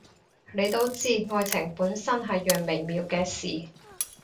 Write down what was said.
你都知，愛情本身係樣微妙嘅事